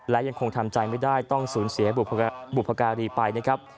และยังคงทำใจไม่ได้ต้องสูญเสียบุพการีไปนะครับ